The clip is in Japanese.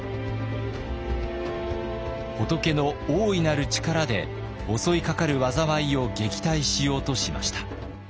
仏の大いなる力で襲いかかる災いを撃退しようとしました。